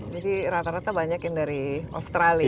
jadi rata rata banyak dari australi ya